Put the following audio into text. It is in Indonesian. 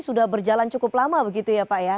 sudah berjalan cukup lama begitu ya pak ya